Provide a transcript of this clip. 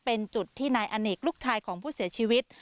เป็นจุดที่นายอเนกลูกชายของผู้เสียชีวิต